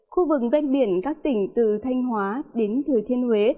khu vực ven biển các tỉnh từ thanh hóa đến thừa thiên huế